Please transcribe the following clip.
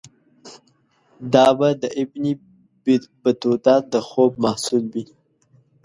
دا به د ابن بطوطه د خوب محصول وي.